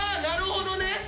なるほどね